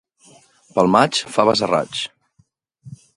Pel maig, faves a raig.